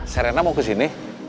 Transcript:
serena mau ke sini